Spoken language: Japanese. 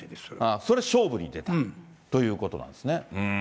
それ、勝負に出たということなんですね。